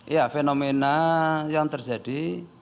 ya fenomena yang terjadi